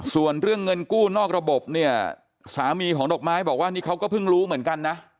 ส่วนเรื่องเงินกู้นอกระบบเนี่ยสามีของดอกไม้บอกว่านี่เขาก็เพิ่งรู้เหมือนกันนะ